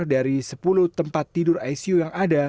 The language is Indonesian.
dari sepuluh tempat tidur icu yang ada